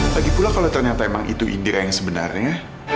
lagi pula kalau ternyata emang itu idea yang sebenarnya